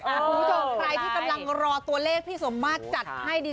คุณผู้ชมใครที่กำลังรอตัวเลขพี่สมมาตรจัดให้ดี